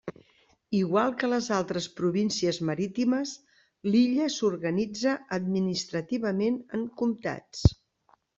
Igual que les altres províncies marítimes, l'illa s'organitza administrativament en comtats.